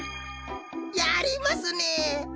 やりますね！